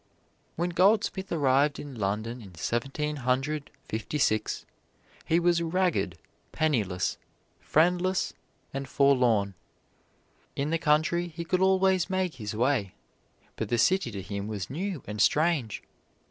When Goldsmith arrived in London in Seventeen Hundred Fifty six, he was ragged, penniless, friendless and forlorn. In the country he could always make his way, but the city to him was new and strange.